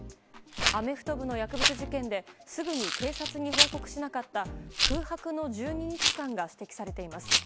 アメフト部の薬物事件ですぐに警察に報告しなかった空白の１２日間が指摘されています。